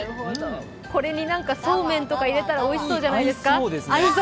これにそうめんとか入れたらおいしそうじゃないですか。